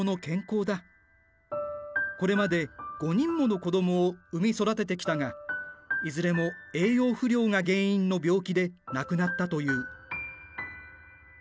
これまで５人もの子どもを産み育ててきたがいずれも栄養不良が原因の病気で亡くなったという。